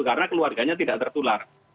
karena keluarganya tidak tertular